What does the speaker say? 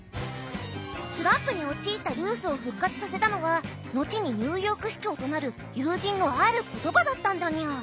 スランプに陥ったルースを復活させたのは後にニューヨーク市長となる友人のある言葉だったんだにゃ。